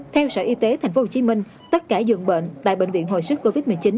theo sở y tế tp hcm tất cả dường bệnh tại bệnh viện hồi sức covid một mươi chín